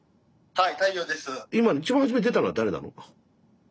はい。